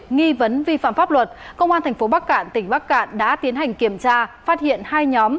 nghi vấn vi phạm pháp luật công an tp bắc cạn tỉnh bắc cạn đã tiến hành kiểm tra phát hiện hai nhóm